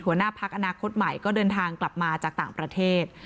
หัวหน้าพักอนาคตใหม่ก็เดินทางกลับมาจากต่างประเทศ